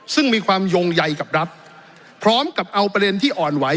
ซึ่งมีความยงใยกับรัฐพร้อมกับเอาประเด็นที่อ่อนไหว